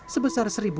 sebesar satu juta tahun